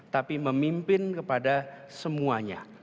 tapi memimpin kepada semuanya